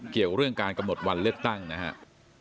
เกี่ยวเรื่องการกำหนดวันเลือกตั้งนะครับ